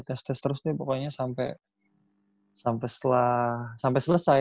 tes tes terus deh pokoknya sampai selesai